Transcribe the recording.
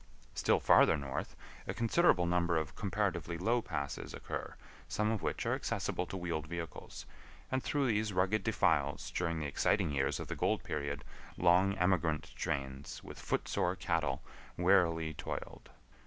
Still farther north, a considerable number of comparatively low passes occur, some of which are accessible to wheeled vehicles, and through these rugged defiles during the exciting years of the gold period long emigrant trains with foot sore cattle wearily toiled.